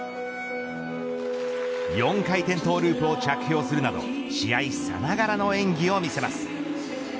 ４回転トウループを着氷するなど試合さながらの演技を見せます。